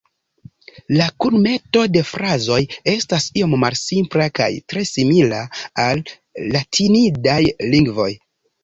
La kunmeto de frazoj estas iom malsimpla kaj tre simila al latinidaj lingvoj.